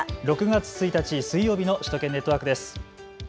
６月１日水曜日の首都圏ネットワークです。